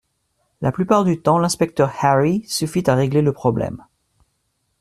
la plupart du temps l’inspecteur Harry suffit à régler le problème.